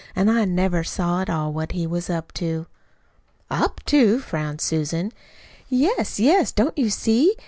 An' I never saw at all what he was up to." "Up to?" frowned Susan. "Yes, yes! Don't you see?